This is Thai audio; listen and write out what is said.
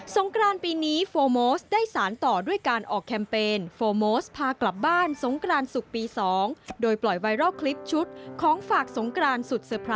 ติดตามจากรายงานครับ